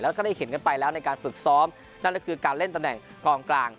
แล้วก็ได้เห็นกันไปแล้วในการฝึกซ้อมนั่นก็คือการเล่นตำแหน่งกองกลาง